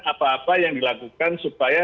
apa apa yang dilakukan supaya